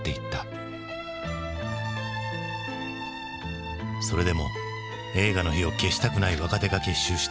それでも映画の火を消したくない若手が結集して１作目を完成させる。